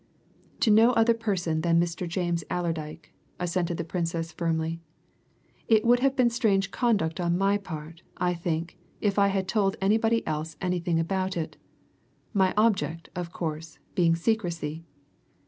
"To no other person than Mr. James Allerdyke," assented the Princess firmly. "It would have been strange conduct on my part, I think, if I had told anybody else anything about it! my object, of course, being secrecy.